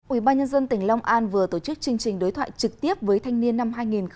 ubnd tỉnh long an vừa tổ chức chương trình đối thoại trực tiếp với thanh niên năm hai nghìn hai mươi